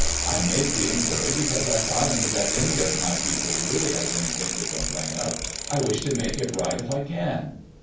I make the inquiry because if I find that any of my people really has anythink to complain of, I wish to make it right if I can.'